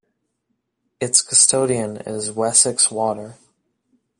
Its custodian is Wessex Water.